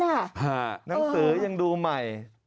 หนังสือยังดูใหม่